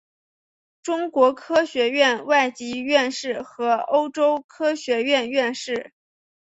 中国科学院外籍院士和欧洲科学院院士。